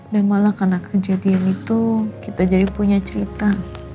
dan malah karena kejadian itu kita jadi punya cerita